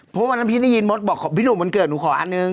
เพราะวันนั้นพี่ได้ยินมดบอกพี่หนุ่มวันเกิดหนูขออันหนึ่ง